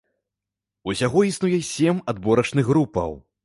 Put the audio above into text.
Усяго існуе сем адборачных групаў.